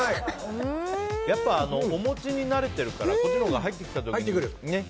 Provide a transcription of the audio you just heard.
やっぱお餅に慣れてるからこっちのほうが入ってきた時に。